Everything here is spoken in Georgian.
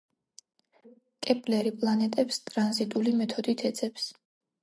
კეპლერი პლანეტებს „ტრანზიტული მეთოდით“ ეძებს.